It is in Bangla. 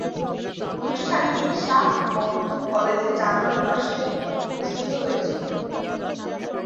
অনুষ্ঠানটি শাহ মখদুম কলেজে জানুয়ারি মাসে অনুষ্ঠিত হয়েছিলো।